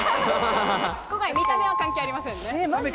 見た目は関係ありません。